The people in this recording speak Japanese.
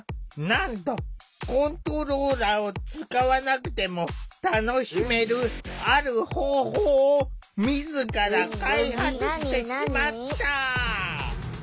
なんとコントローラーを使わなくても楽しめるある方法を自ら開発してしまった。